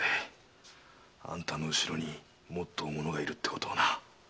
あんたの後ろにもっと大物がいるってこともな。